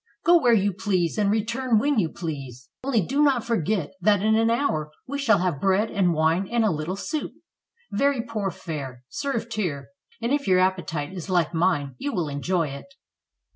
Go where you please and re turn when you please. Only do not forget that in an hour we shall have bread and wine and a little soup — very poor fare — served here, and if your appetite is like mine you will enjoy it."